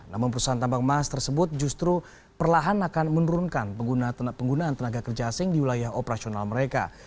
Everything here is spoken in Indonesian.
namun perusahaan tambang emas tersebut justru perlahan akan menurunkan penggunaan tenaga kerja asing di wilayah operasional mereka